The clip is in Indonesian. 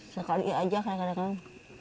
sekali aja kadang kadang